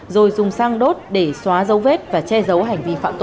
rồi dùng sang đốt để xóa dấu vết và che giấu hành vi phạm tội